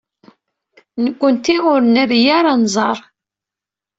Nekkenti ur nri ara anẓar.